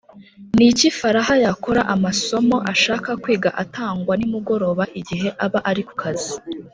Ni iki Faraha yakora amasomo ashaka kwiga atangwa nimugoroba igihe aba ari ku kazi